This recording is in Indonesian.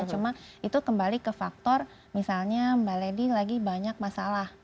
cuma itu kembali ke faktor misalnya mbak lady lagi banyak masalah